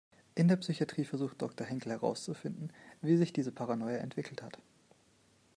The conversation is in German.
In der Psychiatrie versucht Doktor Henkel herauszufinden, wie sich diese Paranoia entwickelt hat.